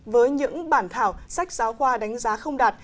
với những bản thảo sách giáo khoa đánh giá không đạt